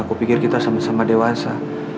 aku pikir kita sama sama dewasa